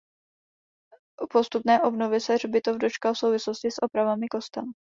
Postupné obnovy se hřbitov dočkal v souvislosti s opravami kostela.